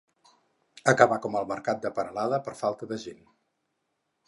Acabar com el mercat de Peralada, per falta de gent.